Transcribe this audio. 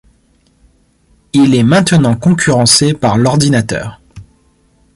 Il est maintenant concurrencé par l'ordinateur.